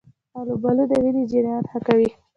آلوبالو د وینې جریان ښه کوي.